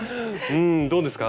うんどうですか？